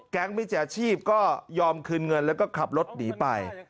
มิจฉาชีพก็ยอมคืนเงินแล้วก็ขับรถหนีไป